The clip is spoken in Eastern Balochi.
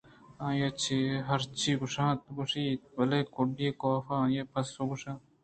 آئیءَ ہرچی گوٛشت وَگوٛشت بلئے گُڈی ءَ کاف ءَآئی ءِ پسو ءَ گوٛشت